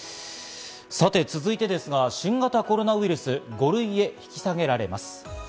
さて続いてですが、新型コロナウイルス５類へ引き下げられます。